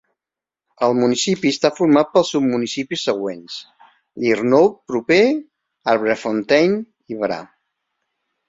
El municipi està format pels submunicipis següents: Lierneux proper, Arbrefontaine i Bra.